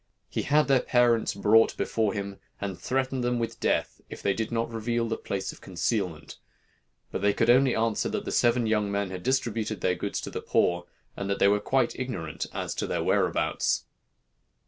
He had their parents brought before him, and threatened them with death if they did not reveal the place of concealment; but they could only answer that the seven young men had distributed their goods to the poor, and that they were quite ignorant as to their whereabouts.